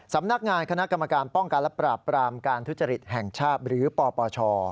สำนักงานคณะกรรมการป้องกันและปราบปรามการทุจริตแห่งชาติหรือปปช